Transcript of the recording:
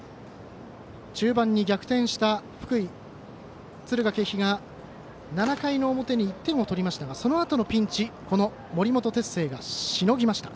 中盤に逆転した福井、敦賀気比が７回の表に１点を取りましたがそのあとのピンチ森本哲星がしのぎました。